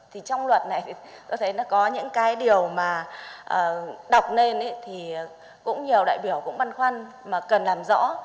thì trong luật này tôi thấy nó có những cái điều mà đọc lên thì cũng nhiều đại biểu cũng băn khoăn mà cần làm rõ